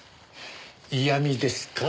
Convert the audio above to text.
嫌みですか。